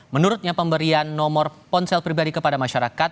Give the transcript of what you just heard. menurutnya pemberian nomor ponsel pribadi kepada masyarakat